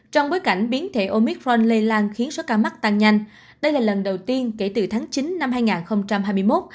trong bối cảnh biến thể omicron lây lan khiến số ca mắc tăng nhanh đây là lần đầu tiên kể từ tháng chín năm hai nghìn hai mươi một